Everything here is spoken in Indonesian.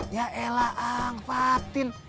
ya elah ang fatin